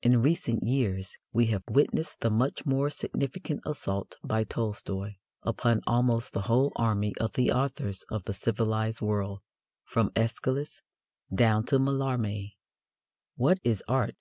In recent years we have witnessed the much more significant assault by Tolstoy upon almost the whole army of the authors of the civilized world from Æschylus down to Mallarmé. _What is Art?